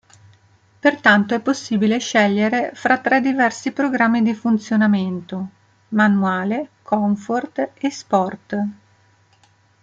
Pertanto è possibile scegliere fra tre diversi programmi di funzionamento: "Manuale", "Comfort" e "Sport".